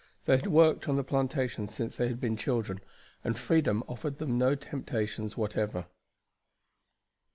They had worked on the plantation since they had been children, and freedom offered them no temptations whatever.